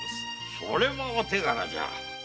それはお手柄じゃ。